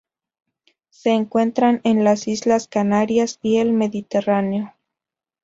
Se encuentran en las Islas Canarias y el Mediterráneo.